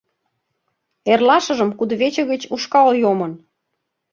Эрлашыжым кудывече гыч ушкал йомын...